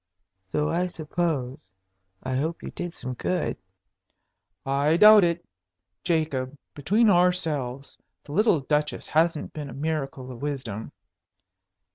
"So I suppose. I hope you did some good." "I doubt it. Jacob, between ourselves, the little Duchess hasn't been a miracle of wisdom."